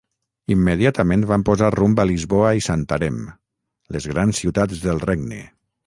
Immediatament van posar rumb a Lisboa i Santarém, les grans ciutats del regne.